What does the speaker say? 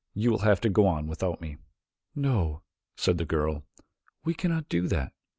You will have to go on without me." "No," said the girl, "we cannot do that.